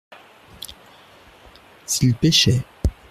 S’ils pêchaient.